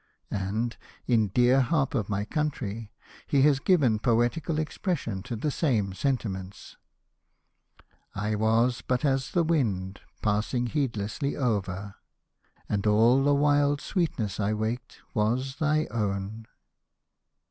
And in " Dear Harp of my Country," he has given poetical expression to the same sentiments :— I was but «is the wind, passing heedlessly over, And all the wild sweetness I waked was thy own.